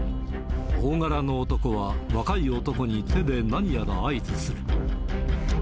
大柄の男は、若い男に手で何やら合図する。